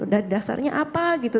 dan dasarnya apa gitu